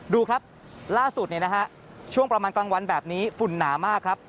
ดูครับล่าสุดช่วงประมาณกลางวันแบบนี้ฝุ่นหนามากครับ